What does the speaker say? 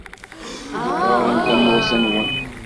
Tɣuṛṛem tamurt-nwen.